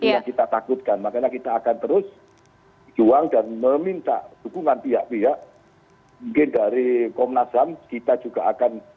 yang kita takutkan makanya kita akan terus juang dan meminta dukungan pihak pihak mungkin dari komnas ham kita juga akan